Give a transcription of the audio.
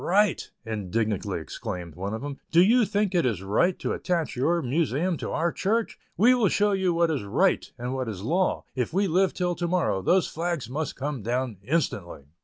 "Right!" indignantly exclaimed one of them, "do you think it is right to attach your Museum to our Church? We will show you what is 'right' and what is law, if we live till to morrow; those flags must come down instantly."